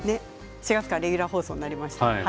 ４月からレギュラー放送になります。